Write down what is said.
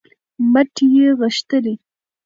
مټې یې غښتلې